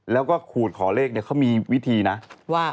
แล้วก็ขูดขอเลขเนี่ยเขามีวิธีนะว่า